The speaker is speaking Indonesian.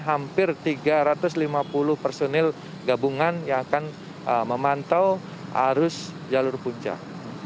hampir tiga ratus lima puluh personil gabungan yang akan memantau arus jalur puncak